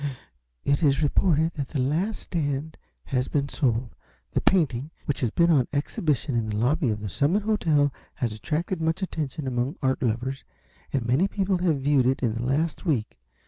"It is reported that 'The Last Stand' has been sold. The painting, which has been on exhibition in the lobby of the Summit Hotel, has attracted much attention among art lovers, and many people have viewed it in the last week.